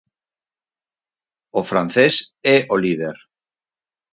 O francés é o líder.